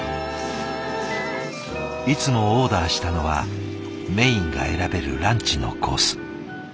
いつもオーダーしたのはメインが選べるランチのコース。